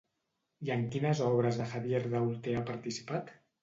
I en quines obres de Javier Daulte ha participat?